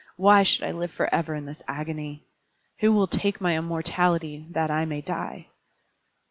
Why should I live forever in this agony? Who will take my immortality that I may die?"